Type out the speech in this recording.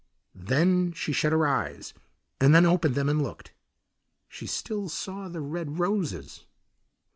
Then she shut her eyes, and then opened them and looked. She still saw the red roses.